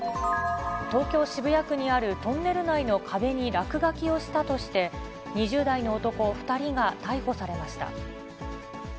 東京・渋谷区にあるトンネル内の壁に落書きをしたとして、２０代の男２人が逮捕されました。